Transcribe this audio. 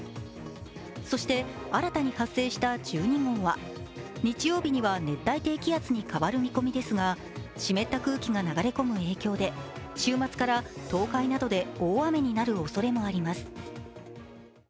そして新たに発生した１２号は日曜日には熱帯低気圧に変わる見込みですが、湿った空気が流れ込む影響で週末から東海などで大雨になるおそれもあります。